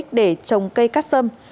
trồng cây cắt sâm